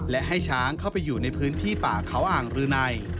และให้ช้างเข้าไปอยู่ในพื้นที่ป่าเขาอ่างรืนัย